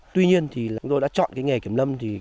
tuy nhiên thì lúc đó đã chọn cái nghề kiểm lâm